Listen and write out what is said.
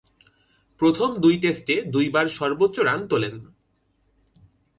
প্রথম দুই টেস্টে দুইবার সর্বোচ্চ রান তুলেন।